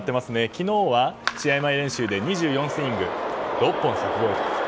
昨日は試合前練習で２４スイング中６本の柵越えと。